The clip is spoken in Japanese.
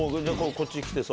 こっち来てさ。